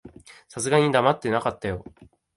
さすがに黙ってなかったよ。